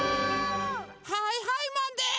はいはいマンです！